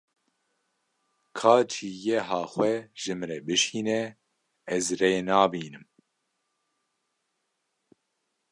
Ka cîgeha xwe ji min re bişîne, ez rê nabînim.